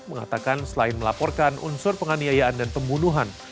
mengatakan selain melaporkan unsur penganiayaan dan pembunuhan